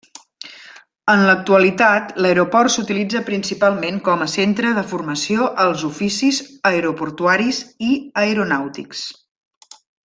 En l'actualitat, l'aeroport s'utilitza principalment com centre de formació als oficis aeroportuaris i aeronàutics.